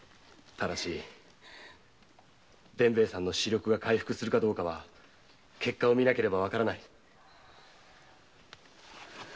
ただし伝兵衛さんの視力が回復するかどうかは結果を見なければわからない。